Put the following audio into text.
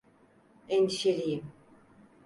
Endişeliyim.